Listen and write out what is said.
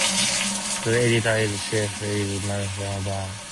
The Editor in Chief is Matthew Bedard.